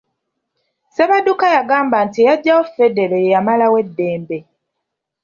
Ssebadduka yagamba nti eyaggyawo ffedero ye yamalawo eddembe.